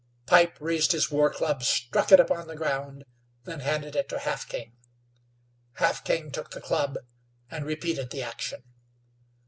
Pipe raised his war club, struck it upon the ground; then handed it to Half King. Half King took the club and repeated the action.